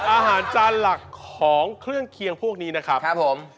อาหารจานหลักของเครื่องเคียงพวกนี้นะครับผม